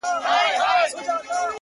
لا به په تا پسي ژړېږمه زه!!